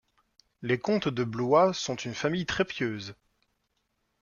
Les comtes de Blois sont une famille très pieuse.